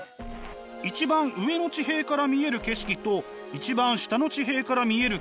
一番上の地平から見える景色と一番下の地平から見える景色